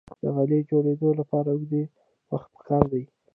د غالۍ جوړیدو لپاره اوږد وخت پکار دی.